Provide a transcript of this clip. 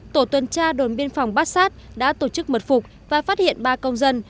tổ tuần tra đồn biên phòng bát sát đã tổ chức mật phục và phát hiện ba công dân